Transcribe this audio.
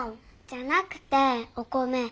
じゃなくてお米。